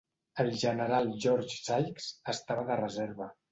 El general George Sykes estava de reserva.